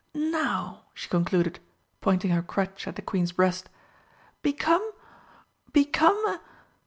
"Now," she concluded, pointing her crutch at the Queen's breast, "become become a